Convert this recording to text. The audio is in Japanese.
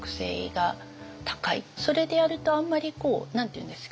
それでやるとあんまり何て言うんですかね